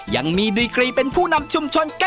ยังมีดีกรีเป็นผู้นำชุมชนกัดอีกด้วย